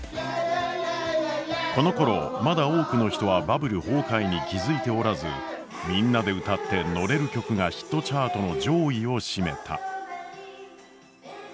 このころまだ多くの人はバブル崩壊に気付いておらずみんなで歌ってノレる曲がヒットチャートの上位を占めた。